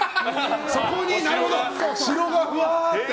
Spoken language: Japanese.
そこにお城がふわーっと。